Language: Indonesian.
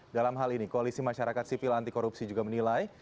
dalam hal ini koalisi masyarakat sipil anti korupsi juga menilai